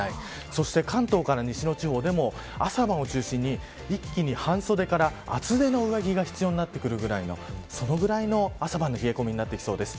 そして関東から西の地方でも朝晩を中心に、半袖から厚手の上着が必要になってくるぐらいのそのぐらいの朝晩の冷え込みになってきそうです。